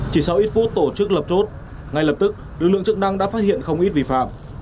chỉ sau ít phút tổ chức lập chốt ngay lập tức lực lượng chức năng đã phát hiện không ít vi phạm